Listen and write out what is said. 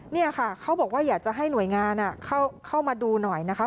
นี่ค่ะเขาบอกว่าอยากจะให้หน่วยงานเข้ามาดูหน่อยนะคะ